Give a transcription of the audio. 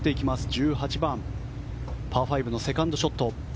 １８番、パー５のセカンドショット。